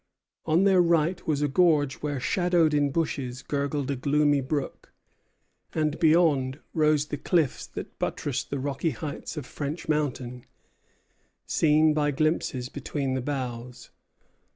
On their right was a gorge where, shadowed in bushes, gurgled a gloomy brook; and beyond rose the cliffs that buttressed the rocky heights of French Mountain, seen by glimpses between the boughs.